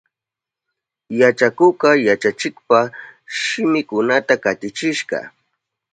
Yachakukka yachachikpa shiminkunata katichishka.